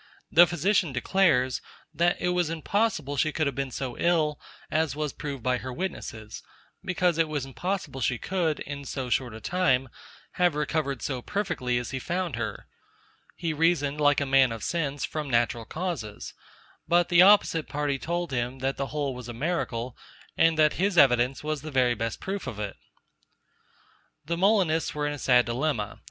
The physician declares, that it was impossible she could have been so ill as was proved by witnesses; because it was impossible she could, in so short a time, have recovered so perfectly as he found her. He reasoned, like a man of sense, from natural causes; but the opposite party told him, that the whole was a miracle, and that his evidence was the very best proof of it. The Molinists were in a sad dilemma.